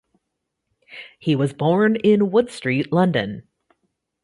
He was born in Wood Street, London.